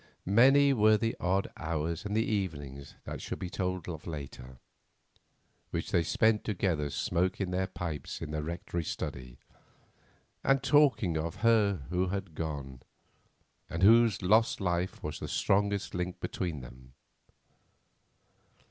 Many were the odd hours and the evenings that shall be told of later, which they spent together smoking their pipes in the Rectory study, and talking of her who had gone, and whose lost life was the strongest link between them.